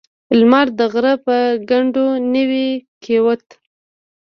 لمر د غره په کنډو نوی کېوت.